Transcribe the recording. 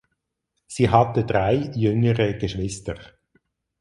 Sie hatte drei jüngere Geschwister.